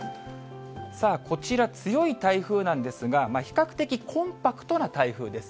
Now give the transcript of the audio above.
さあ、こちら、強い台風なんですが、比較的コンパクトな台風です。